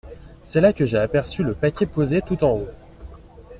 C’est là que j’ai aperçu le paquet posé tout en haut.